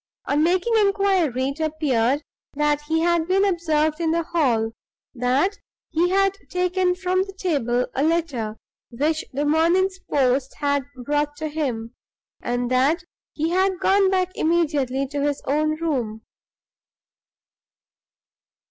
On making inquiry, it appeared that he had been observed in the hall; that he had taken from the table a letter which the morning's post had brought to him; and that he had gone back immediately to his own room.